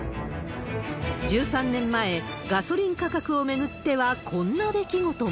１３年前、ガソリン価格を巡ってはこんな出来事も。